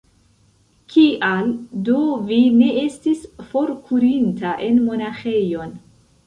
Kial do vi ne estis forkurinta en monaĥejon?